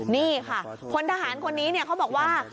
นี่ค่ะพลทหารคนนี้เขาบอกว่า